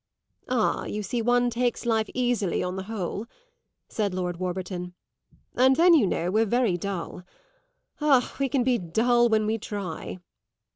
"Ah, you see one takes life easily, on the whole," said Lord Warburton. "And then you know we're very dull. Ah, we can be dull when we try!"